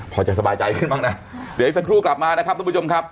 พอจะสบายใจขึ้นบ้างนะเดี๋ยวอีกสักครู่กลับมานะครับทุกผู้ชมครับ